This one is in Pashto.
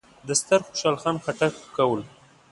د ستر خوشحال خان خټک په قول: